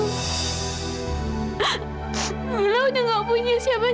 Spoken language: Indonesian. kamilah udah nggak punya siapa siapa lagi bu